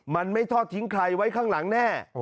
มันไม่ทอดทิ้งใครไว้ข้างหลังแน่